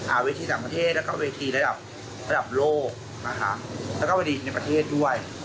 เวทีต่างประเทศแล้วก็เวทีระดับระดับโลกนะคะแล้วก็พอดีในประเทศด้วย